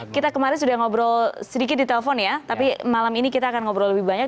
kita kemarin sudah ngobrol sedikit di telpon ya tapi malam ini kita akan ngobrol lebih banyak